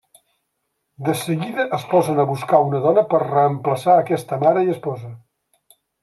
De seguida, es posen a buscar una dona per reemplaçar aquesta mare i esposa.